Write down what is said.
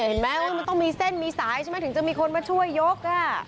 เห็นไหมมันต้องมีเส้นมีสายใช่ไหมถึงจะมีคนมาช่วยยก